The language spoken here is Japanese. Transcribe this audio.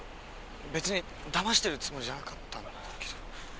別にだましてるつもりじゃなかったんだけど。